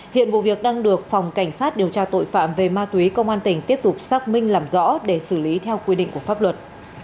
hiện vụ việc đang được phòng cảnh sát điều tra tội phạm về ma túy công an tỉnh tiếp tục xác minh làm rõ để xử lý theo quy định của pháp luật